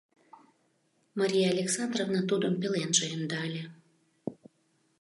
Мария Александровна тудым пеленже ӧндале.